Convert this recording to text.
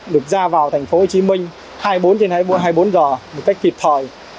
được ra vào tp hcm hai mươi bốn h trên hai mươi bốn h một cách kịp thời